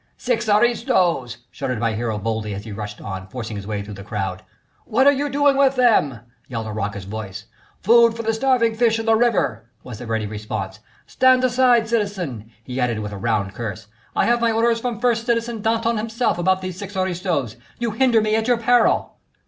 "Six aristos!" shouted my hero boldly as he rushed on, forcing his way through the crowd. "What are you doing with them?" yelled a raucous voice. "Food for the starving fish in the river," was the ready response. "Stand aside, citizen," he added, with a round curse. "I have my orders from citizen Danton himself about these six aristos. You hinder me at your peril."